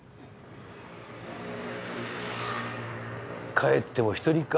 帰っても１人か。